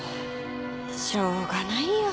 しょうがないよ。